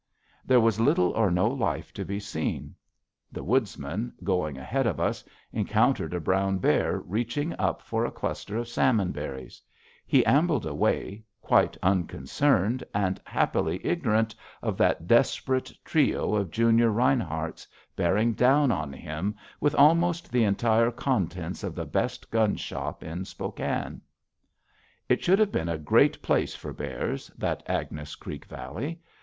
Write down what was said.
There was little or no life to be seen. The Woodsman, going ahead of us, encountered a brown bear reaching up for a cluster of salmon berries. He ambled away, quite unconcerned, and happily ignorant of that desperate trio of junior Rineharts, bearing down on him with almost the entire contents of the best gun shop in Spokane. It should have been a great place for bears, that Agnes Creek Valley.